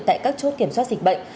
tại các chốt kiểm soát dịch bệnh